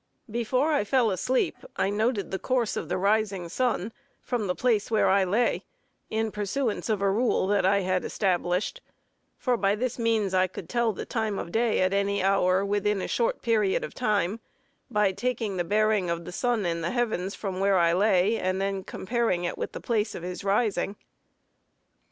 Before I fell asleep, I noted the course of the rising sun, from the place where I lay, in pursuance of a rule that I had established; for by this means I could tell the time of day at any hour, within a short period of time, by taking the bearing of the sun in the heavens, from where I lay, and then comparing it with the place of his rising.